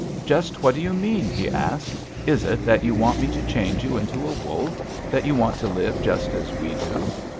'Just what do you mean?' he asked. 'Is it that you want me to change you into a wolf that you want to live just as we do?'